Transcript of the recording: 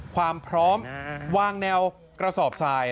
ความพร้อมวางแนวกระสอบทราย